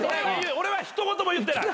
俺は一言も言ってない。